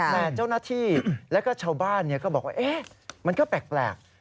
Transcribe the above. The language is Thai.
แต่เจ้าหน้าที่แล้วก็ชาวบ้านก็บอกว่ามันก็แปลก